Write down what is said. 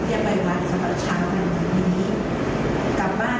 ทีนี้หลังจากสอบปากคำของคุณแม่เสร็จเรียบร้อยแล้วก็ทางรัชตะเรียบร้อยนะฮะ